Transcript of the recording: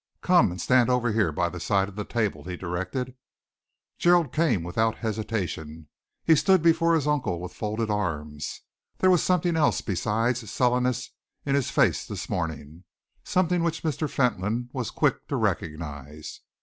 "Come and stand over here by the side of the table," he directed. Gerald came without hesitation. He stood before his uncle with folded arms. There was something else besides sullenness in his face this morning, something which Mr. Fentolin was quick to recognise.